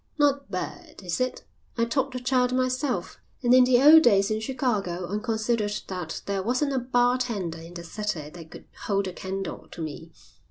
"Not bad, is it? I taught the child myself, and in the old days in Chicago I considered that there wasn't a bar tender in the city that could hold a candle to me.